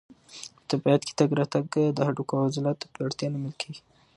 په طبیعت کې تګ راتګ د هډوکو او عضلاتو د پیاوړتیا لامل کېږي.